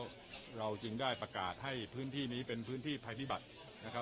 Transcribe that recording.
แล้วเราจึงได้ประกาศให้พื้นที่นี้เป็นพื้นที่ภัยพิบัตินะครับ